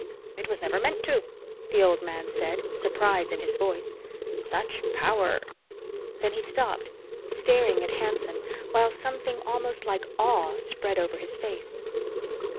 "It was never meant to," the old man said, surprise in his voice. "Such power " Then he stopped, staring at Hanson while something almost like awe spread over his face.